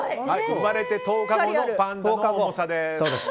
生まれて１０日後のパンダの重さです。